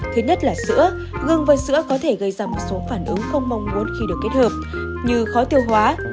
thứ nhất là sữa gương và sữa có thể gây ra một số phản ứng không mong muốn khi được kết hợp như khó tiêu hóa